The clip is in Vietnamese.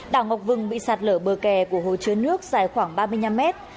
đảo ngọc vừng bị sạt lở bờ kè của hồ chứa nước dài khoảng ba mươi năm mét